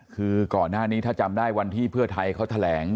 คือก่อนหน้านี้ถ้าจำได้วันที่เพื่อไทยเขาแถลง